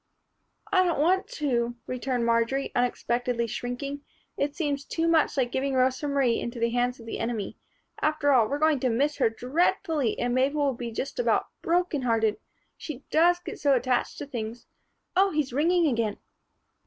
"I don't want to," returned Marjory, unexpectedly shrinking. "It seems too much like giving Rosa Marie into the hands of the enemy. After all, we're going to miss her dreadfully and Mabel'll be just about broken hearted. She does get so attached to things Oh! He's ringing again."